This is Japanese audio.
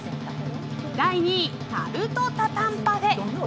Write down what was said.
第２位、タルトタタンパフェ。